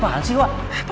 pak apaan sih wak